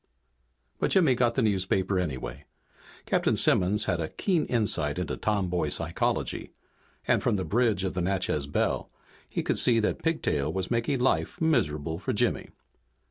But Jimmy got the newspaper anyway. Captain Simmons had a keen insight into tomboy psychology, and from the bridge of the Natchez Belle he could see that Pigtail was making life miserable for Jimmy.